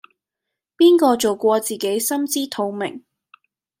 邊個做過自己心知肚明